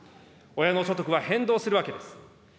親の所得は変動するわけです。